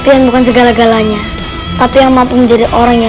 pakai aliran dari generasi yang lain